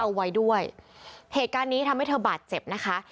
เอาไว้ด้วยเหตุการณ์นี้ทำให้เธอบาดเจ็บนะคะ